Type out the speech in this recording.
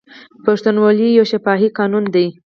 پښتونولي یو شفاهي قانون دی.